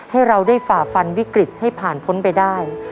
ให้เราได้ฝ่าฟันวิกฤตให้ผ่านพ้นไปได้